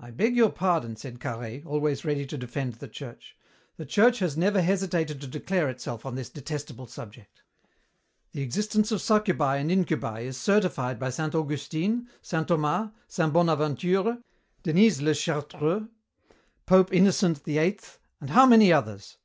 "I beg your pardon," said Carhaix, always ready to defend the Church. "The Church has never hesitated to declare itself on this detestable subject. The existence of succubi and incubi is certified by Saint Augustine, Saint Thomas, Saint Bonaventure, Denys le Chartreux, Pope Innocent VIII, and how many others!